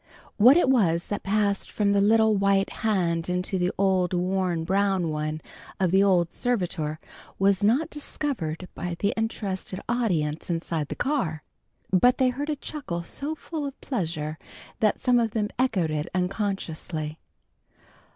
What it was that passed from the little white hand into the worn brown one of the old servitor was not discovered by the interested audience inside the car, but they heard a chuckle so full of pleasure that some of them echoed it unconsciously.